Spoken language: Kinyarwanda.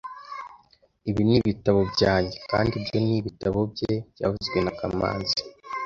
Ibi ni ibitabo byanjye, kandi ibyo ni ibitabo bye byavuzwe na kamanzi